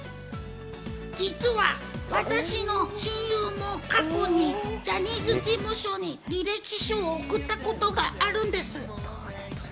実は私の親友も過去にジャニーズ事務所に履歴書を送ったことがあるんです。